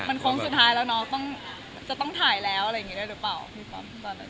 มันโค้งสุดท้ายแล้วน้องจะต้องถ่ายแล้วอะไรอย่างนี้ได้หรือเปล่าพี่ป๊อฟตอนนั้น